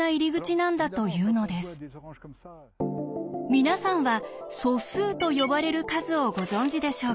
皆さんは素数と呼ばれる数をご存じでしょうか。